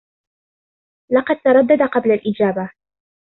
لقد تردد قبل الإجابة.